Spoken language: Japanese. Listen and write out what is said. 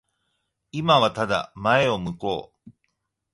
今はただ前を向こう。